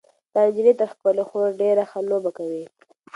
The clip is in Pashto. دا نجلۍ تر خپلې خور ډېره ښه لوبه کوي.